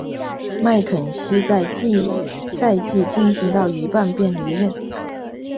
麦卡锡在赛季进行到一半便离任。